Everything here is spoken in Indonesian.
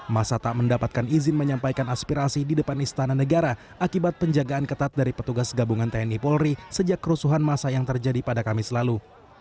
masa tak mendapatkan izin menyampaikan aspirasi di depan istana negara akibat penjagaan ketat dari petugas gabungan tni polri sejak kerusuhan masa yang terjadi pada kamis lalu